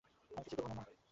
আমি কিছুই করবো না, মা।